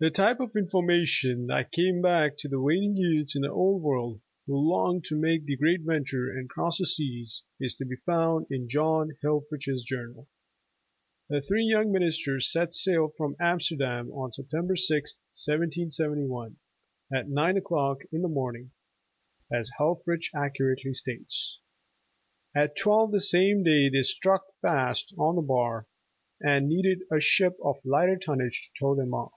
THE type of information that came back to the waiting youths in the old world, who longed to make the great venture and cross the seas, is to be found in John Helff rich's journal. The three young ministers set sail from Amsterdam on September 6th, 1771, "at nine o'clock in the morn ing," as Helff rich accurately states. At twelve the same day they stuck fast on a bar, and needed a ship of lighter tonnage to tow them off.